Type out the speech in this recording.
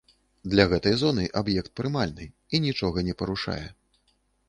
Для гэтай зоны аб'ект прымальны і нічога не парушае.